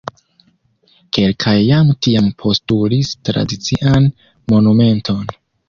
Kelkaj jam tiam postulis tradician monumenton.